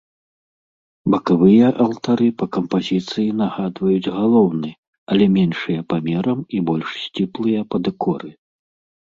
Бакавыя алтары па кампазіцыі нагадваюць галоўны, але меншыя памерам і больш сціплыя па дэкоры.